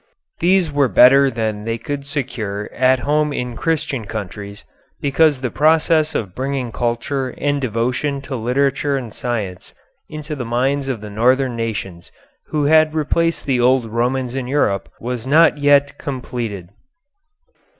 These were better than they could secure at home in Christian countries, because the process of bringing culture and devotion to literature and science into the minds of the Northern nations, who had replaced the old Romans in Europe, was not yet completed.